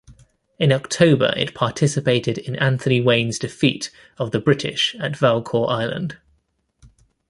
In October it participated in Anthony Wayne's defeat of the British at Valcour Island.